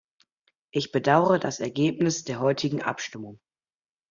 Ich bedaure das Ergebnis der heutigen Abstimmung.